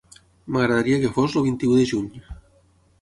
M'agradaria que fos el vint-i-u de juny.